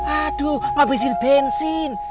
aduh ngabisin bensin